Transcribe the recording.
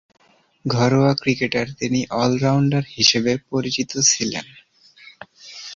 ঘরোয়া ক্রিকেটে তিনি অল-রাউন্ডার হিসেবে পরিচিত ছিলেন।